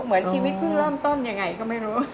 เหมือนชีวิตเพิ่งเริ่มต้นยังไงก็ไม่รู้